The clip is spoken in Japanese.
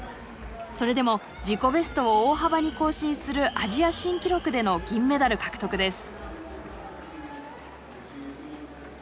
それでも自己ベストを大幅に更新するアジア新記録での銀メダル獲得です。